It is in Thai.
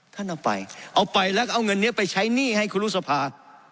ท่านเอาไปเอาไปแล้วก็เอาเงินนี้ไปใช้หนี้ให้คุณรุษภา